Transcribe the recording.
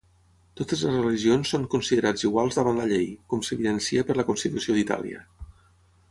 Totes les religions són considerats iguals davant la llei, com s'evidencia per la Constitució d'Itàlia.